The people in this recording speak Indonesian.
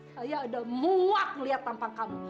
saya ada muak melihat tampang kamu